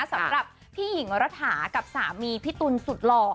สำหรับพี่หญิงรัฐากับสามีพี่ตุ๋นสุดหล่อ